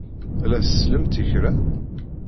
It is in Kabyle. La tsellemt i kra?